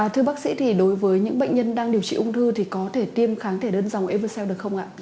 thưa bác sĩ thì đối với những bệnh nhân đang điều trị ung thư thì có thể tiêm kháng thể đơn dòng eversea được không ạ